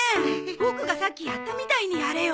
ボクがさっきやったみたいにやれよ。